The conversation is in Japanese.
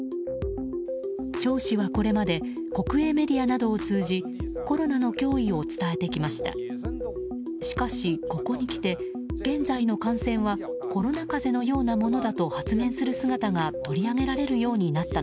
ショウ氏は、これまで国営メディアなどを通じコロナの脅威を伝えてきました。